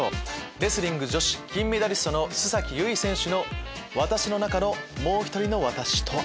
レスリング女子金メダリストの須優衣選手の「私の中の、もうひとりのワタシ。」とは？